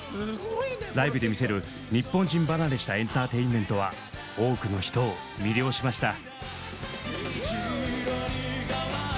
ライブで魅せる日本人離れしたエンターテインメントは多くの人を魅了しました。